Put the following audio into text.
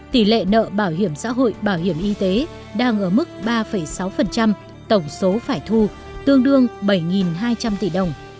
tỷ lệ nợ bảo hiểm xã hội bảo hiểm y tế đang ở mức ba sáu tổng số phải thu tương đương bảy hai trăm linh tỷ đồng